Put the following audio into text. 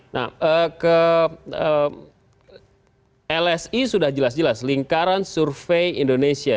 nah ke lsi sudah jelas jelas lingkaran survei indonesia